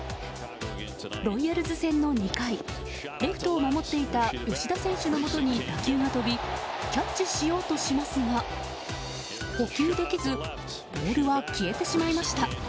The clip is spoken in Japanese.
ロイヤルズ戦の２回レフトを守っていた吉田選手のもとに打球が飛びキャッチしようとしますが捕球できずボールは消えてしまいました。